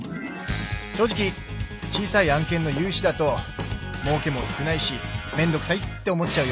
正直小さい案件の融資だともうけも少ないしめんどくさいって思っちゃうよね。